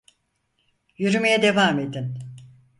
Yürümeye devam edin.